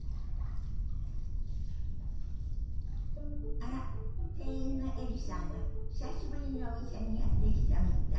あら店員のエリさんが久しぶりにお店にやって来たみたい。